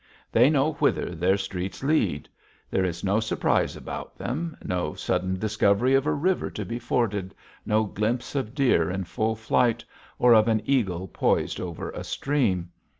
They know whither their streets lead. There is no surprise about them, no sudden discovery of a river to be forded, no glimpse of deer in full flight or of an eagle poised over a stream.